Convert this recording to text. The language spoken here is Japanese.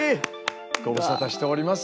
ご無沙汰しております。